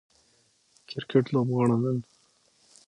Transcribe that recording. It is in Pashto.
کرکټ لوبغاړو نن